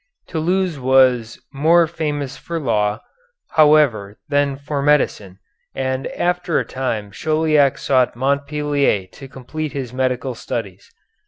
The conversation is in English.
Toulouse was more famous for law, however, than for medicine, and after a time Chauliac sought Montpellier to complete his medical studies.